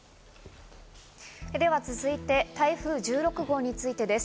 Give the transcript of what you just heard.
では続いて台風１６号についてです。